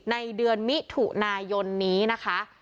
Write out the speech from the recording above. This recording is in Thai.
ในเดือนมิถุนายนนี้นะคะ